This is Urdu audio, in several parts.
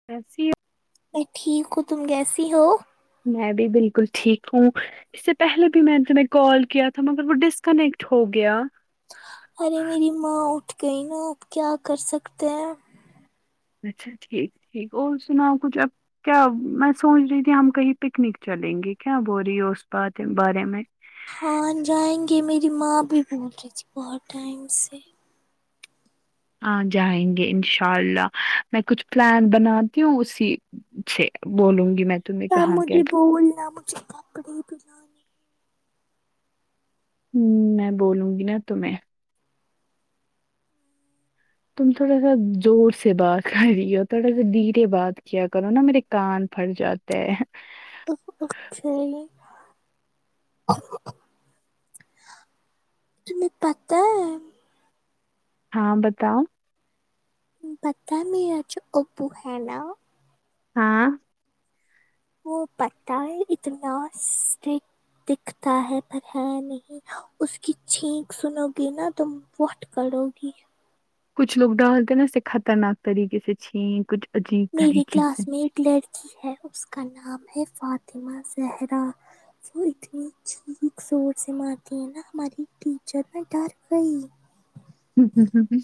[unintelligible] میں ٹھیک ہوں تم کیسی ہو میں بھی بالکل ٹھیک ہوں اس سے پہلے بھی میں نے تمہیں کال کیا تھا مگر وہ ڈس کنیکٹ ہو گیا ارے میری ماں اٹھ گئی نا آپ کیا کر سکتے ہیں اچھا ٹھیک ٹھیک اور سناؤ کچھ آپ کیا میں سوچ رہی تھی ہم کہیں پکنک چلیں گے کیا بول رہی ہے اس بات بارے میں ہاں جائیں گے میری ماں بھی بول رہی تھی بہت ٹائم سے ہاں جائیں گے انشاء اللہ میں کچھ پلان بناتی ہوں اسی اچھ بولوں گی میں تمہیں نہ کہاں کیا مجھے بولنا مجھے کپڑے بنانا ہوں میں بولوں گی نا تمہیں تم تھوڑا سا زور سے بات کر رہی ہو تھوڑا سا دھیرے بات کیا کرو نا میرے کان پھٹ جاتے تے ہے [unintelligible] تمہے پتہ ہے ہاں بتاؤ پتہ ہے میرا جو ابو ہے نا ہاں وہ پتہ ہے اتنا اسٹ دکھتا ہے پر ہے نہیں اس کی چھینک سنو گی نا تم پٹھ کرو گی کچھ لوگ ڈالتے نا اسے خطرناک طریقے سے چھینیں کچھ عجیب میری طریقے سے کلاس میں ایک لڑکی ہے اس کا نام ہے فاطمہ زہرا وہ اتنی چھییک زور سے مارتی ہے نا ہماری ٹیچر میں ڈر گئی ہوں ہوں ہوں ہوں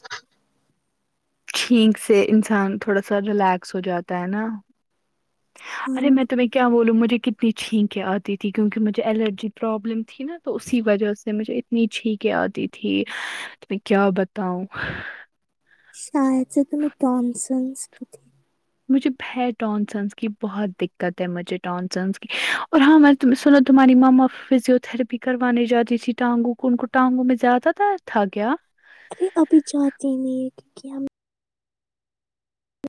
چھینک سے انسان تھوڑا سا ریلیکس ہو جاتا ہے نا ارے ہاں میں تمہیں کیا بولوں مجھے کتنی چھینکیں آتی تیں کیونکہ مجھے الرجی پرابلم تھی نا تو اسی وجہ سے مجھے نیچھییک آتی تھی تو میں کیا بتاؤں شاید جو تمہیں ٹونسنس تھے مجھے ب ٹونسنس کی بہت دقت ہے مجھے ٹونسنس کی اور ہاں تم سنو تمہاری ماما فزیوتراپی کروانے جاتی تھی ٹانگوں کو ان کو ٹانگوں میں زیادہ درد تھا کیا ے ابھی جاتے ہی نہیں ہے کیونکہ ہم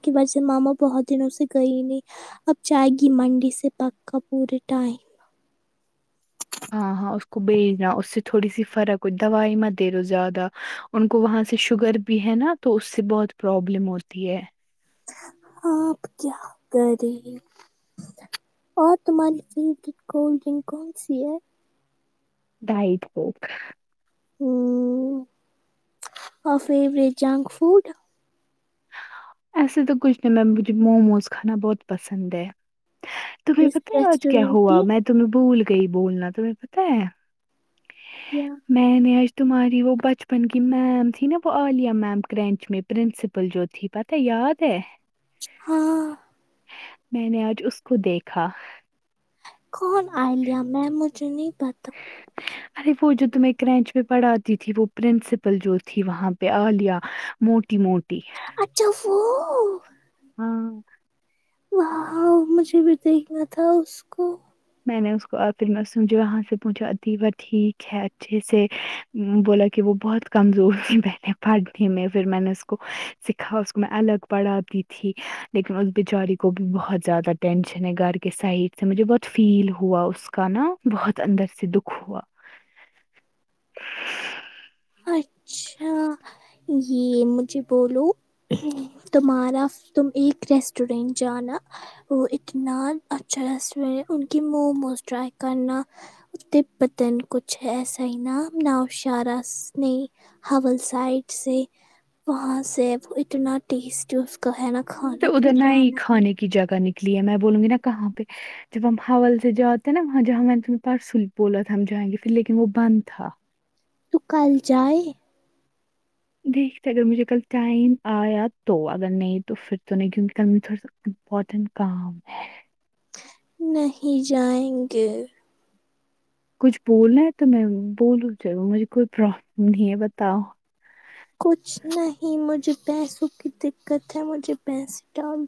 کی سے ماما بہت دنوں سے گئی نہیں اب جائے گی منڈے سے پکا پورے ٹائم ہاں ہاں اس کو بیچنا اس سے تھوڑی سی فرق ہوئی دوائی مت دے رہو زیادہ ان کو وہاں سے شوگر بھی ہے نا تو اس سے بہت پرابلم ہوتی ہے آپ کیا کریں اور تمہاریے خری کی کولڈ ڈرنک کون سی ہے ڈائٹ بک ہمم فورٹ جنک فوڈ ایسے تو کچھ نہیں میں مجھے موموز کھانا بہت پسند ہے تمہیں اس پتہ ہے آج کیا ریسٹورینٹ کی ہوا میں تمہیں بھول گئی بولنا تمہیں پتہ ہے یا میں نے آج تمہاری وہ بچپن کی میم تھی نا وہ عالیہ میم کرنچ میں پرنسپل جو تھی پتہ یاد ہے ہاں میں نے آج اس کو دیکھا کون عالیہ مں میم مجھے نہیں پتا ارے وہ جو تم کرنچ پہ پڑھاتی تھی وہ پرنسپل جو تھی وہاں پہ عالیہ موٹی موٹی اچھا وہ ہاں وہ مجھے بھی دیکھنا تھا اس کو میں نے اس کو آخر میں سمجھی وہاں سے پوچھا اتیوا ٹھیک ہے اچھے سے بولا کہ وہ بہت کمزور تھی میں نے پڑھنے میں پھر میں نے اس کو سکھا اس کو میں الگ پڑھاتی تھی لیکن اس بیچاری کو بھی بہت زیادہ ٹینشن ہے گھر کے سائڈ سے مجھے بہت فیل ہوا اس کا نا بہت اندر سے دکھ ہوا اچھا یہ مجھے بولو تمہارا تم ایک ریسٹورینٹ جانا وہ اتنا اچھا ریسٹورینٹ ان کی موموز ٹرائی کرنا تبتا کچھ ایسا ہی نام نؤ شارس ن حول سائڈ سے وہاں سے وہ اتنا ٹیسٹ کا ہے نا ہ تو کھانا ادھر تم ن ہی جانا کھانے کی جگہ نکلی ہے میں بولوں گی نا کہاں پہ جب ہم حول سے جاتے ہیں نا وہاں جہاں میں نے تمہیں پرسل بولا تھا ہم جائیں گے پھر لیکن وہ بند تھا تو کل جائے دیکھتے اگر مجھے کل ٹائم آیا تو اگر نہیں تو پھر تو نہیں کیونکہ کل میں تھوڑا سا امپورٹنٹ کام ہے نہیں جائیں گے کچھ بولنا ہے تو میں بولوں چل مجھے کوئی پرابلم نہیں ہے بتاؤ کچھ نہیں مجھے پیسوں کی دکت ہے مجھے پیسے ڈال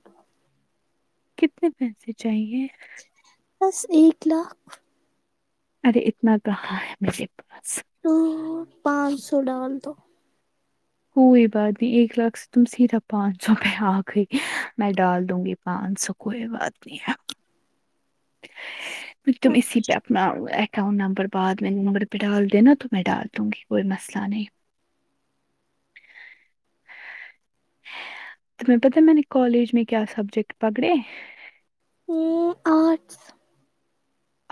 کتنے پیسے چاہیے بس ایک لاکھ ارے اتنا کہا ہے میرے پاس تو پانچ سو ڈال تو کوئی بات نہیں ایک لاکھ سے تم سیدھا پانچ سو پہ آ گئی میں ڈال دوں گی پانچ سو کوئی بات نہیں ہے تم اسی پہ اپنا اکوند نمبر بعد میں مگر پہ ڈال دینا تو میں ڈال دوں گی کوئی مسئلہ نہیں تمہیں پتا میں نے کالج میں کیا سبجیکٹ پکڑے آرٹس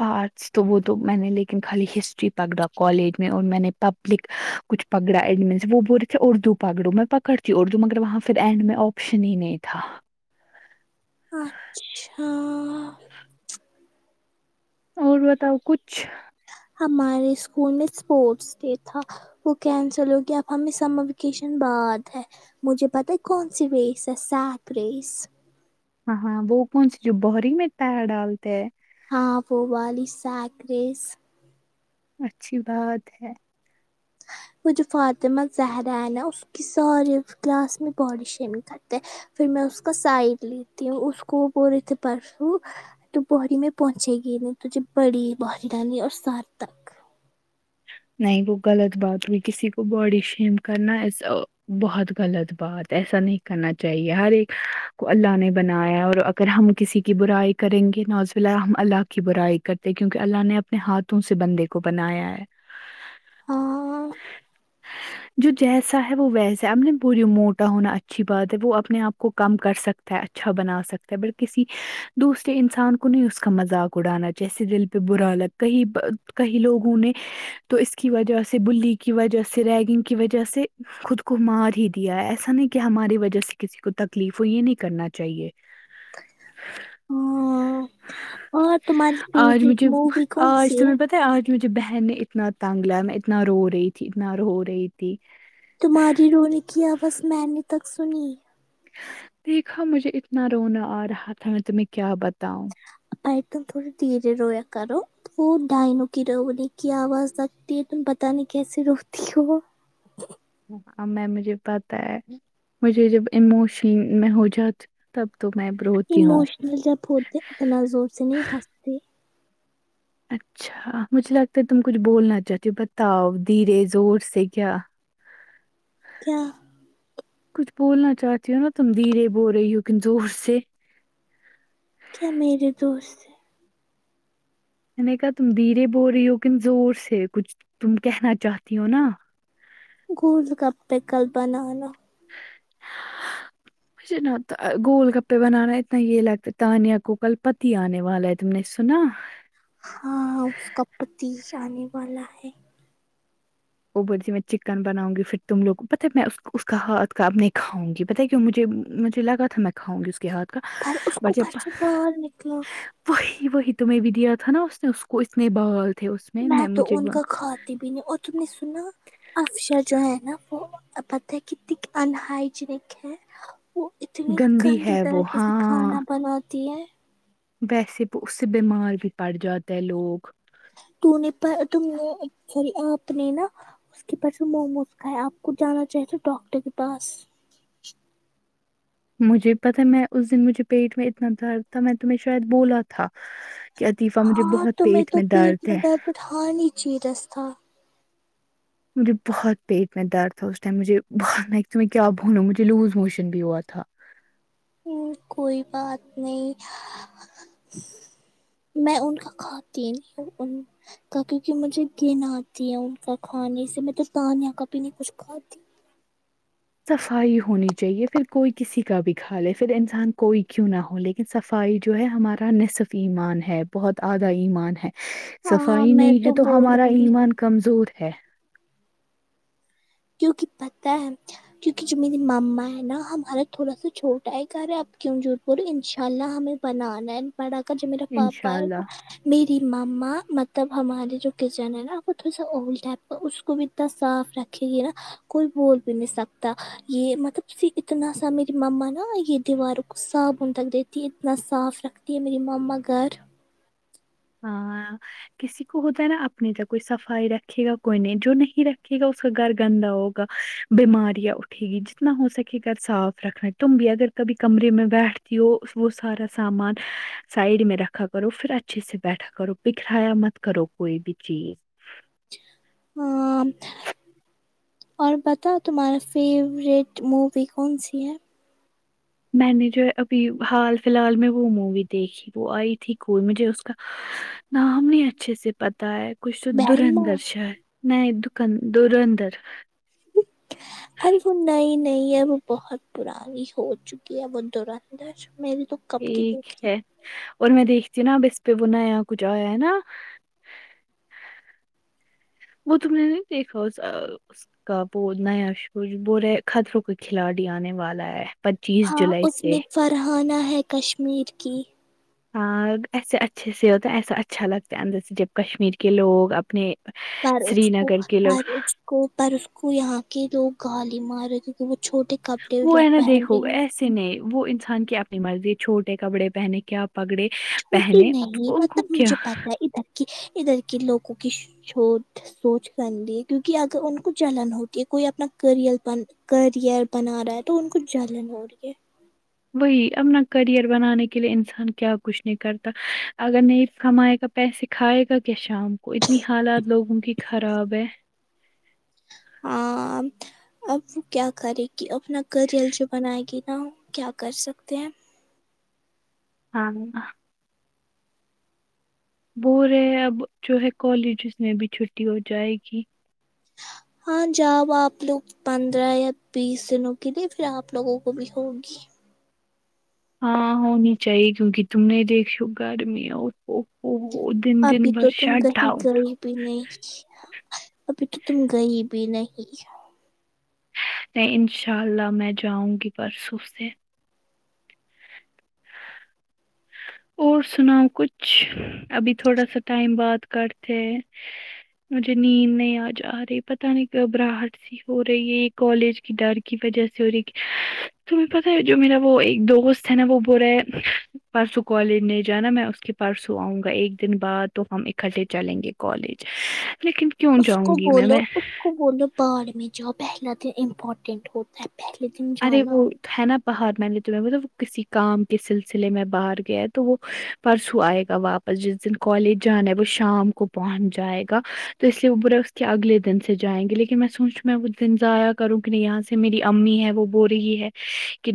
آرٹس تو وہ تو میں نے لیکن خالی ہسٹری پکڑا کالج میں اور میں نے پبلک کچھ پگڑا اینڈین وہ بول رہے تھے اردو پگڑو میں پکڑتی اردو مگر وہاں پھر اینڈ میں آپشن ہی نہیں تھا اچھا اور بتاؤ کچھ ہمارے اسکول میں اسپورٹس ڈے تھا وہ کینسل ہوگیا اب ہمیں سمر ویکیشن بعد ہے مجھے پتہ ہے کون سی ریس ہے سات ریس ہاں ہاں بو پنچی ج بہری متاا ہے ڈالولتے ہاں وہوبا لسا اگریس اچھی بات ہے وہ جو فطمہ زہرا ہے نا اس کی سارے کلاس میں باڈی شیمنگ کرتے ہیں پھر میں اس کا سائڈ لیتی ہوں اس کو بول رے تھے پرسوں تو بہری میں پہنچے گی نہیں تجھے بڑی بہری رانی اور سار تک نہیں وہ غلط بات ہوئی کسی کو باڈی شیم کرنا ا بہت غلط بات ایسا نہیں کرنا چاہیے ہر ایک کو اللہ نے بنایا اور اگر ہم کسی کی برائی کریں گے نوز ال ہم اللہ کی برائی کرتے کیونکہ اللہ نے اپنے ہاتھوں سے بندے کو بنایا ہے ہاں جو جیسا ہے وہ ویسا ہے اب نے پوری موٹا ہونا اچھی بات ہے وہ اپنے آپ کو کم کر سکتا ہے ا اچھا بنا سکتا ہے بٹ کسی دوسرے انسان کو نہیں اس کا مذاق اڑانا جیسے دل پہ برالت کئی کئی لوگ ہونے تو اس کی وجہ سے بلی کی وجہ سے ریگنگ کی وجہ سے خود کو مار ہی دیا ہے ایسا نہیں کہ ہماری وجہ سے کسی کو تکلیف ہو یہ نہیں کرنا چاہیے [unintelligible] ہاں اور تمہاری آج فیوریٹ مجھے مووی کون آج تو سی ہے میں پت آج مجھے بہن نے اتنا تنگ لایا میں اتنا رو رہی تھی اتنا رو رہی تھی تمہاری رونے کی آواز میں نے تک سنی دیکھا مجھے اتنا رونا آ رہا تھا میں تمہیں کیا بتاؤں آئندہ تھوڑا دیھرے رو یا کرو وہ ڈائنوں کی رونے کی آواز لگتی ہے تم پتا نہیں کیسے روتی ہو اں میں مجھے پتا ہے مجھے جب اموشن میں ہو جات تب تو میں برو اموشنل جب ہوتےاتنا زور سے نہیں ہستے اچھا مجھے لگتا ہے تم کچھ بولنا چاہتے ہو بتاؤ دھیرے زور سے کیا کیا کچھ بولنا چاہتی ہو نا تم دھیرے بول رہی ہو لیکن زور سے کیا میرے دوست میں نے کہا تم دھیرے بول رہی ہو لیکن زور سے کچھ تم کہنا چاہتی ہو نا گولڈ کپ پہ کل بنانا ن گول گپے بنانا ہے اتنا یہ لگتا تانیہ کو کل پتی آنے والا ہے تم نے سنا ہاں اس کاپتی آنے والا ہے وہ بولتی میں چکن بناؤں گی پھر تم لوگ پتا میں اس کا ہاتھ کا نہیں کاؤں گی پتا کیا مجھے مجھے لگا تھا میں کھاؤں گی اس کے ہاتھ کا پر اس ب کو جب پرسوں باہر نکلا وہی وہی تمہیں بھی دیا تھا نا اس نے اس کو اتنے بال تھے اس میں تو مجھے ان وہ کا کھاتی بھی اور تم نے سنا افشا جو ہے نا وہ پتا ہے کتنی انہائجینک ہے وہ اتنی گندی ہے وہ طریقے سے ہاں کھانا بناتی ہے ویسے اس سے بیمار بھی پڑ جاتا ہے لوگ [unintelligible] اس کے پاس موموز کا ہے آپ کو جانا چاہیے تو ڈاکٹر کے پاس مجھے پتا میں اس دن مجھے پیٹ میں اتنا درد تھا میں تمہیں شاید بولا تھا کہ عطیفہ مجھے بہت پیٹ میں درد ہے پتھانی چی رست تھا مجھے بہت پیٹ میں درد تھا اس ٹائم مجھے بہت میں تمہیں کیا بولوں مجھے لوز موشن بھی ہوا تھا ہم کوئی بات نہیں میں ان کا کھاتی نی ہوں ان کا کیونکہ مجھے گن آتی ہے ان کا کھانے سے میں تو تانیا کا بی نی کچھ کھاتی صفائی ہونی چاہیے پھر کوئی کسی کا بھی کھا لے پھر انسان کوئی کیوں نہ ہو لے ن صفائی جو ہے ہمارا نصف ایمان ہے بہت آدھا ایمان ہے ہاں صفائی میں نہیں ہے تو ہمارا بولوں گی ایمان کمزور ہے کیونکہ پتہ ہے کیونکہ جو میری ماما ہے نا ہمارا تھوڑا سا چھوٹا ہے گھر ہے اب کیوں جو انشاء اللہ ہمیں بنانا ہے بڑا گھر جو میرا پاپا انشاء ہے اللہ وہ میری ماما مطلب ہمارے جو کچن ہے نا وہ تھوڑا سا اولڈ ہے اس کو بھی اتنا صاف رکھ تھی ہے کوئی بول بھی نہیں سکتا یہ مطلب اتنا سا میری مما نا یہ دیوار صابن تک دیتی ہے اتنا صاف رکھتی ہے میری ماما گھر ہاں کسی کو ہوتا ہے نا اپنے ج کوئی صفائی رکھے گا کوئی نہیں جو نہیں رکھے گا اس کا گھر گندا ہوگا بیماری ہے ٹھیک جتنا ہو سکے گھر صاف رکھنا ہے تم بھی اگر کبھی کمرے میں بیٹھتی ہو وہ سارا سامان سائڈ میں رکھا کرو پھر اچھے سے بیٹھا کرو بکھرایا مت کرو کوئی بھی چیز ہاں اور بتاؤ تمہارا فیوریٹ مووی کون سی ہے میں نے جو ہے ابھی حال فی الحال میں وہ مووی دیکھی وہ آئی تھی کوئی مجھے اس کا نام نی اچھے سے پتا تا ہے کوئی بہن ماں سندرندر شاہ ہے نہیں دکن دورندر ارے وہ نئی نئی ہے وہ بہت پرانی ہو چکی ہے وہ دورندر میری تو کب کی ٹھیک دیکھی ہے اور میں دیکھتی ہوں نا اب اس پہ وہ نیا کچھ آیا ہے نا وہ تم نے نہیں دیکھا [unintelligible] اس کا وہ نیا ش بورے خطروں کے کھلاڑی آنے والا ہے پچیس ہاں جولائی اس سے میں فرحانہ ہے کشمیر کی ایسے اچھے سے ہوتا ہے ایسا اچھا لگتا ہے اندر سے جب کشمیر کے لوگ اپنے سار سری کو نگر کے لوگ سر کو پر اس کو یہاں کے لوگ گالی مار رہے کیونکہ وہ چھوٹے کپڑے جو پہن رہے ہیں نے وہ انسان کی اپنی مرضی ہے چھوٹے کپڑے پہنے کیا پگڑے چھوٹی پہنے نہیں ان کو مطلب کیا مجھے پتا ہے ادھر کی ادھر کے لوگوں کی چھوٹ سوچ گندی کیونکہ اگر ان کو جلن ہوتی ہے کوئی اپنا کریئر بن کریئر بنا رہا ہے تو ان کو جلن ہو رہی ہے وہی اپنا کریئر بنانے کے لیے انسان کیا کچھ نہیں کرتا اگر نہیں کمائے گا پیسے کھائے گا کیا شام کو اتنی حالات لوگوں کی خراب ہے ہاں اب وہ کیا کرے گی اپنا کریئر جو بنائے گی نا کیا کر سکتے ہیں ہاں بول رہے اب جو ہے کالجز میں بھی چھٹی ہو جائے گی ہاں جاؤ آپ لوگ پندرہ یا بیس دنوں کے لیے پھر آپ لوگوں کو بھی ہوگی ہاں ہونی چاہیے کیونکہ تم نے دیکھو گھر میں اور وہ او دن دن ابھی تو تم برشات کہیں ڈھاؤن گئی بھی نہیں ابھی تو تم گئی بھی نہیں انشاء اللہ میں جاؤں گی پرسوں سے اور سناؤ کچھ ابھی تھوڑا سا ٹائم بات کرتے ہے مجھے نیند نہیں آ جا رہی پتا نہیں گھبراہٹ ہو رہی ہے یہ کالج کی ڈر کی وجہ سے ہو رہی تمہیں پتا جو میرا وہ ایک دوست ہے نا وہ بول رہ ہے پو کالج نہیں جانا میں اس کی پرسوں آؤں گا ایک دن بعد تو ہم اکٹھے چلیں گے کالج لیکن کیوں اس کو جاؤں گی میں بولو میں اس کو بولو بھاڑ میں جاؤ پہلا دن امپورٹینٹ ہوتا ہے پہلے دن ارے جانا وہ ہے نا باہر میں نے تمہیں بولا کسی کام کے سلسلے میں باہر گیا ہے تو وہ پرسوں آئے گا واپس جس دن کالج جانا ہے وہ شام کو پہنچ جائے گا تو اس لیے وہ بولرا اس کے اگلے دن سے جائیں گے لیکن میں سوچوں میں وہ دن ضائع کروں کہ نہیں یہاں سے میری امی ہے وہ بو رہی ہے کہ